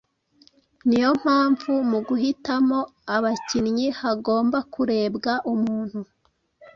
Ni yo mpamvu mu guhitamo abakinnyi hagomba kurebwa umuntu